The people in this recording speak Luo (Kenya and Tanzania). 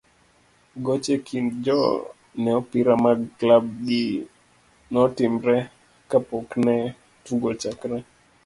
goch e kind jo ne opira mag klab gi notimre kapokne tugo ochakre,